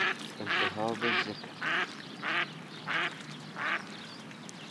التهاب ذکر